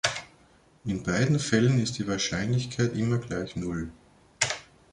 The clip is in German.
In beiden Fällen ist die Wahrscheinlichkeit immer gleich null.